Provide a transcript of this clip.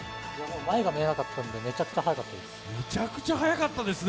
前が見えなかったんで、めちゃくちゃ速かったです。